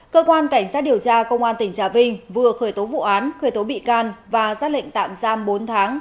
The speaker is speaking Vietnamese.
cơ quan cảnh sát điều tra công an tỉnh trà vinh vừa khởi tố vụ án khởi tố bị can và ra lệnh tạm giam bốn tháng